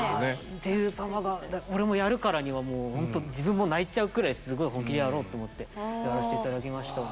っていうその俺もやるからにはほんと自分も泣いちゃうくらいすごい本気でやろうと思ってやらして頂きました。